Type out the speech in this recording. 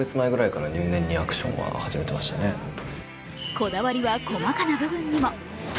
こだわりは細かな部分にも。